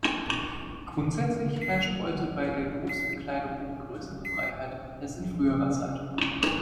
Grundsätzlich herrscht heute bei der Berufsbekleidung eine größere Freiheit als in früherer Zeit.